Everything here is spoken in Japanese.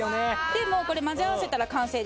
でもうこれ混ぜ合わせたら完成です。